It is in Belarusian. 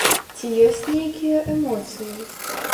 Ці ёсць нейкія эмоцыі?